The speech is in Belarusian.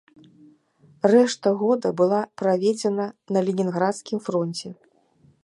Рэшта года была праведзена на ленінградскім фронце.